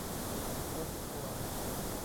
รถทัวร์